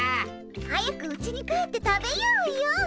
早くうちに帰って食べようよ。